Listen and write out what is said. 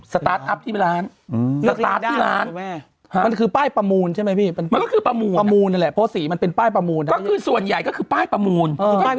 สตาร์ทอัพที่เป็นร้าน